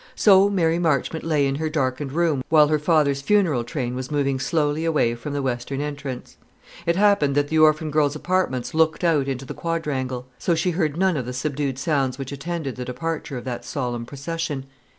So Mary Marchmont lay in her darkened room while her father's funeral train was moving slowly away from the western entrance. It happened that the orphan girl's apartments looked out into the quadrangle; so she heard none of the subdued sounds which attended the departure of that solemn procession.